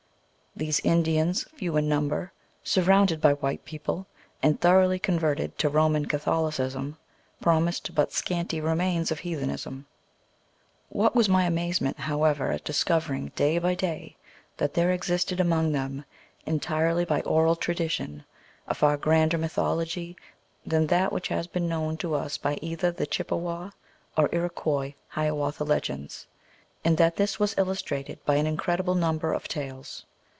These Indians, few in number, surrounded by white people, and thoroughly converted to Roman Catholicism, promised but scanty remains of heathenism. What was my amazement, however, at discovering, day by day, that there existed among them, entirely by oral tradition, a far grander mythology than that which has been made known to us by either the Chippewa or Iroquois Hiawatha Legends, and that this was illustrated by an incredible number of tales.